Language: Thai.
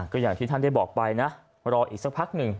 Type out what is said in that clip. ก็อย่างที่ท่านได้บอกไปนะรออีกสักพักหนึ่ง